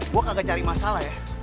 gua kagak nyari masalah ya